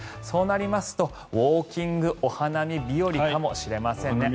そうなりますとウォーキングお花見日和かもしれません。